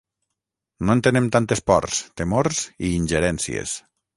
No entenem tantes pors, temors i ingerències.